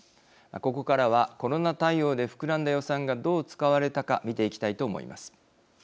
ここからはコロナ対応で膨らんだ予算がどう使われたか見ていきたいと思います。